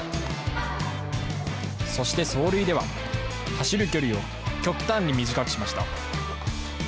そして走塁では、走る距離を極端に短くしました。